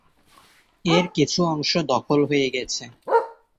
এর কিছু অংশ দখল হয়ে গেছে।